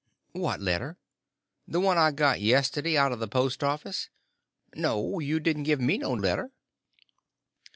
"What letter?" "The one I got yesterday out of the post office." "No, you didn't give me no letter."